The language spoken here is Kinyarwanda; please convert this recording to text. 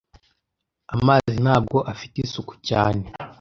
Amazi ntabwo afite isuku cyane.